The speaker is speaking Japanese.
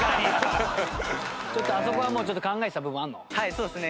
そうですね。